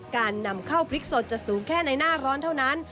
การนำเข้าพริกสดจะสูงแค่ในหน้าร้อนเท่านั้น